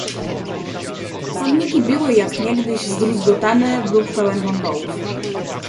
"Chodniki były, jak niegdyś, zdruzgotane, bruk pełen wądołów."